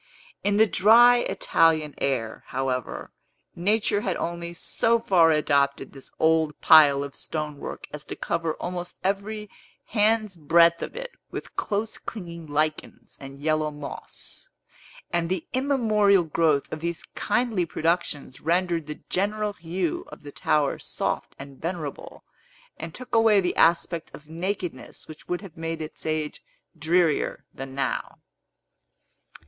In the dry Italian air, however, Nature had only so far adopted this old pile of stonework as to cover almost every hand's breadth of it with close clinging lichens and yellow moss; and the immemorial growth of these kindly productions rendered the general hue of the tower soft and venerable, and took away the aspect of nakedness which would have made its age drearier than now.